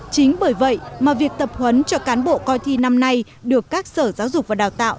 chính bởi vậy mà việc tập huấn cho cán bộ coi thi năm nay được các sở giáo dục và đào tạo